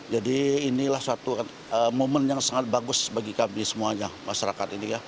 jadi inilah suatu momen yang sangat bagus bagi kami semuanya masyarakat ini